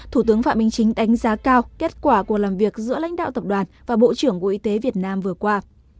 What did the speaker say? thủ tướng phạm minh chính đánh giá cao kết quả của làm việc giữa lãnh đạo tập đoàn và bộ trưởng bộ y tế việt nam vừa qua